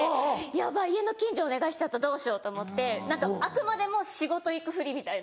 ヤバい家の近所お願いしちゃったどうしようと思ってあくまでも仕事行くふりみたいな。